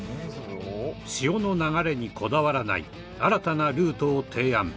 潮の流れにこだわらない新たなルートを提案。